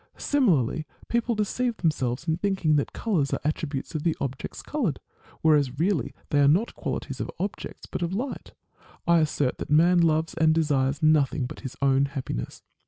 Similarly people deceive themselves in thinking that colours are attributes of the objects coloured; whereas really they are not qualities of objects, but of light. I assert that man loves and desires nothing but his own happiness.